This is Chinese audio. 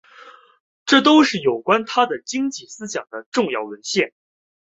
这都是有关他的经济思想的重要文献。